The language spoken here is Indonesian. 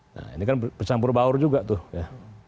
nah ini kan bercampur baur juga tuh ya